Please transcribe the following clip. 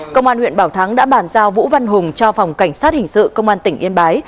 công an huyện bảo thắng đã bàn giao vũ văn hùng cho phòng cảnh sát hình sự công an tỉnh yên bái